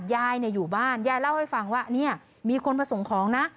ยายอยู่บ้านยายเล่าให้ฟังว่าเนี่ยมีคนมาส่งของนะ